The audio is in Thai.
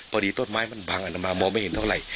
พอดีต้นไม้มันพังอันมามองไม่เห็นเท่าไหร่